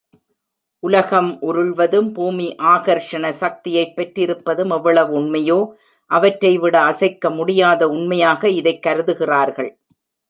உலகம் உருள்வதும், பூமி ஆகர்ஷண சக்தியைப் பெற்றிருப்பதும் எவ்வளவு உண்மையோ, அவற்றைவிட அசைக்க முடியாத உண்மையாக இதைக் கருதுகிறார்கள்.